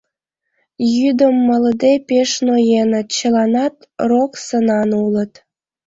Йӱдым малыде, пеш ноеныт, чыланат рок сынан улыт.